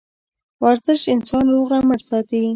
ورزش انسان روغ رمټ ساتي